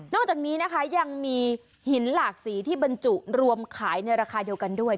จากนี้นะคะยังมีหินหลากสีที่บรรจุรวมขายในราคาเดียวกันด้วย